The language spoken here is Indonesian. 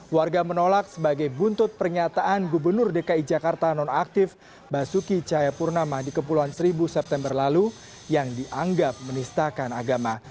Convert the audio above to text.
warga menolak sebagai buntut pernyataan gubernur dki jakarta nonaktif basuki cahayapurnama di kepulauan seribu september lalu yang dianggap menistakan agama